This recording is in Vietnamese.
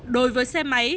đối với xe máy